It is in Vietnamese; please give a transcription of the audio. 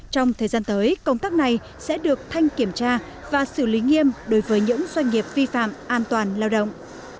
trong thời gian tới công tác này sẽ được thanh kiểm tra và xử lý nghiêm đối với những doanh nghiệp vi phạm an toàn lao động